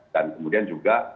dan kemudian juga